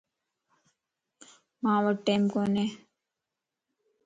مان وٽ ٽيم ڪوني